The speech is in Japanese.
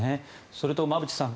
それと馬渕さん